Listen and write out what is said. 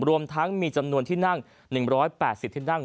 รวมทั้งมีจำนวนที่นั่ง๑๘๐ที่นั่ง